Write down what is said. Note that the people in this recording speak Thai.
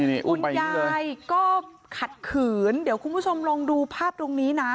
คุณยายก็ขัดขืนเดี๋ยวคุณผู้ชมลองดูภาพตรงนี้นะ